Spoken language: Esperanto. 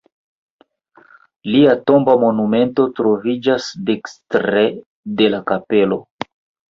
Lia tomba monumento troviĝas dekstre en la kapelo.